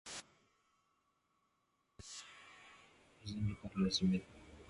ښوونه د ټولنې د ارزښتونو د پیاوړتیا او نسل روزنې لپاره لازمي ده.